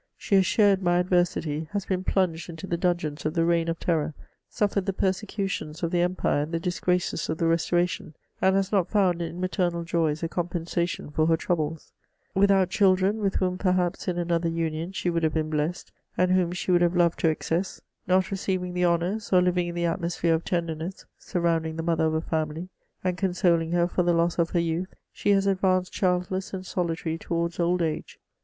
She has shared my adversity , has been pluifged into the dungeons of the Reign of Terror, suffered the persecutions of the Empire and the disgraces of the Restoration, and has not found in maternal joys a compensation for her troubles : without children, with whom perhaps in another union she would have been blessed, and whom she would have loved to excess : not receiving ihe honours, or living in the atmosphere of tenderness surrounding tiie mother of a family, and consohng her for the loss of her youth, she has advanced child less and solitary towards old age.